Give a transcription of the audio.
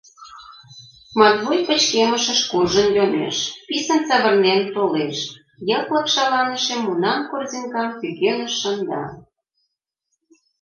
Матвуй пычкемышыш куржын йомеш, писын савырнен толеш, йыклык шаланыше мунан корзинкам пӱкеныш шында.